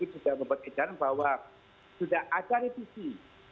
sudah membuat edaran bahwa sudah ada revisi